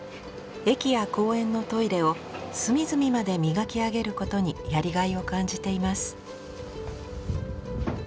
駅や公園のトイレを隅々まで磨き上げることにやりがいを感じています。